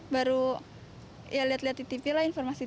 baru ya lihat lihat di tv lah informasi